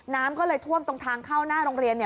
น้ำก็เลยท่วมตรงทางเข้าหน้าโรงเรียน